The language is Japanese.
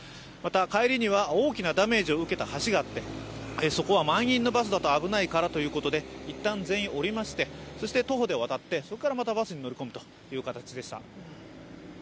また、帰りには大きなダメージを受けた橋があって、そこは満員のバスだと危ないからということでいったん全員降りまして徒歩で渡ってそれからまたバスに乗り込むという形でした。